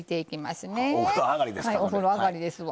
お風呂上がりですわ。